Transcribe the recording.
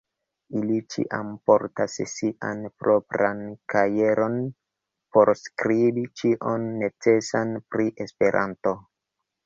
Ili ĉiam portas sian propran kajeron por skribi ĉion necesan pri Esperanto.